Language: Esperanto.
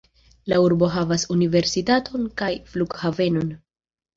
La urbo havas universitaton kaj flughavenon.